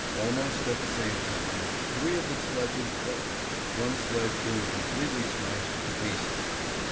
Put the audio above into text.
Almost at the same time, three of the sledges broke, one sledge being completely smashed to pieces.